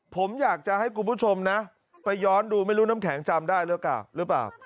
ผมอยากจะให้คุณผู้ชมนะไปย้อนดูไม่รู้น้ำแข็งจำได้หรือเปล่า